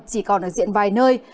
chỉ còn ở diện vài nơi